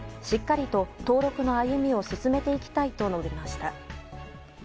しっかりと登録の歩みを進めていきたいと述べました。